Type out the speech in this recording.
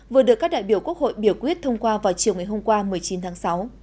vừa được các đại biểu quốc hội biểu quyết thông qua vào chiều ngày hôm qua một mươi chín tháng sáu